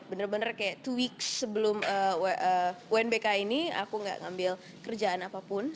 benar benar kayak dua week sebelum unbk ini aku gak ngambil kerjaan apapun